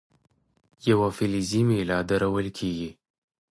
یوه فلزي میله درول کیږي.